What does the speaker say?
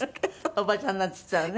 「おばちゃん」なんて言ったらね。